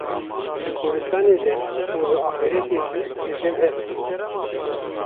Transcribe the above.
di gorîstanê de û li axîretê jî li cem hev in.